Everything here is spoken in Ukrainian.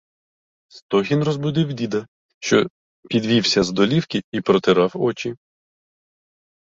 Стогін розбудив діда, що підвівся з долівки і протирав очі.